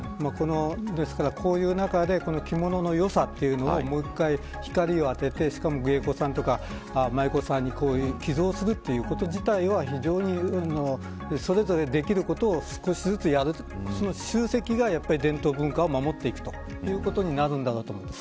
ですから、こういう中で着物のよさというのをもう一回、光を当ててしかも、芸妓さんとが舞子さんに寄贈するということ自体は非常に、それぞれできることを少しずつやるその集積が伝統文化を守っていくということになるんだろうと思います。